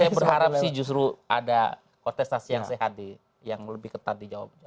saya berharap sih justru ada kontestasi yang sehat yang lebih ketat di jawa tengah